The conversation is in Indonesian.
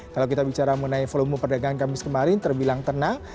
kalau kita bicara mengenai volume perdagangan kamis kemarin terbilang tenang